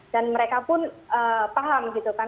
dan mereka pun paham gitu kan